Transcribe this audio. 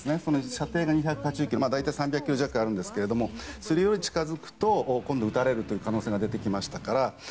射程が２８０ｋｍ大体３００ｋｍ弱あるんですけどそれより近づくと今度は撃たれる可能性が出てきましたから。